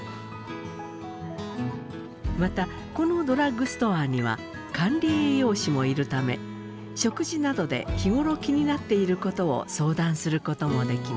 またこのドラッグストアには管理栄養士もいるため食事などで日頃気になっていることを相談することもできます。